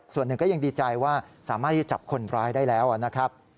ส่วนหนึ่งก็ยังดีใจว่าสามารถที่จับคนร้ายได้แล้วนะครับ